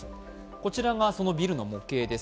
こちらがそのビルの模型です。